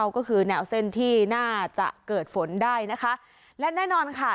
ก็คือแนวเส้นที่น่าจะเกิดฝนได้นะคะและแน่นอนค่ะ